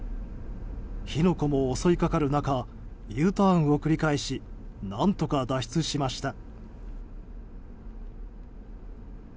火の粉も襲いかかる中Ｕターンを繰り返し何とか脱出しました。